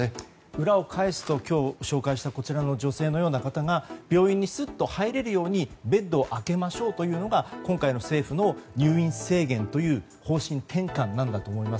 裏を返すと今日、紹介した女性の方が病院にすっと入れるようにベッドを空けましょうというのが今回の政府の入院制限という方針転換だと思います。